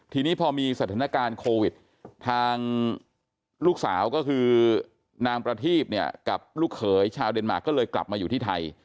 ทีนี้พอมีสถานการณ์โควิดทางลูกสาวก็คือนางประทีพเนี่ยกับลูกเขยชาวเดนมาร์ก็เลยกลับมาอยู่ที่ไทย